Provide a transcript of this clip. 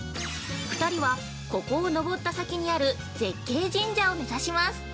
２人は、ここを上った先にある絶景神社を目指します。